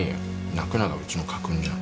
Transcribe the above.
泣くながうちの家訓じゃん。